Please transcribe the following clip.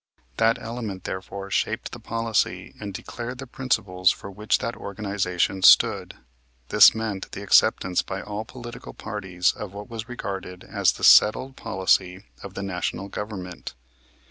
That element, therefore, shaped the policy and declared the principles for which that organization stood. This meant the acceptance by all political parties of what was regarded as the settled policy of the National Government.